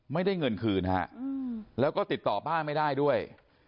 ไม่ได้เงินคืนฮะแล้วก็ติดต่อป้าไม่ได้ด้วย